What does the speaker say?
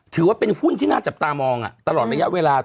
ถือว่าเป็นหุ้นที่น่าจับตามองตลอดระยะเวลา